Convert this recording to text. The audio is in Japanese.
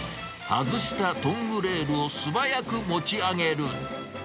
外したトングレールを素早く持ち上げる。